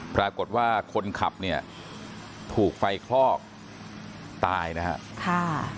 ปรากฏว่าคนขับเนี่ยถูกไฟคลอกตายนะครับ